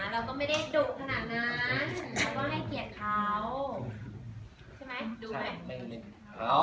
เราก็ไม่ได้ดุขนาดนั้นเราก็ให้เกียจเขา